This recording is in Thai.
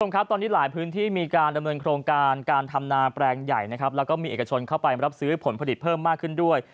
ครับตอนนี้หลายพื้นที่มีการดำเนินโครงการการทำนาแปลงใหญ่นะครับแล้วก็มีเอกชนเข้าไปรับซื้อผลผลิตเพิ่มมากขึ้นด้วย